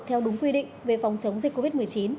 theo đúng quy định về phòng chống dịch covid một mươi chín